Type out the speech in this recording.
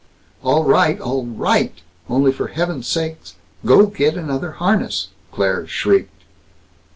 "All right! All right! Only for heaven's sake go get another harness!" Claire shrieked.